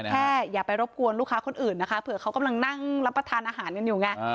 อย่าไปรบกวนลูกค้าคนอื่นนะคะเผื่อเขากำลังนั่งรับประทานอาหารกันอยู่ไง